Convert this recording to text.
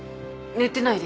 寝てないです。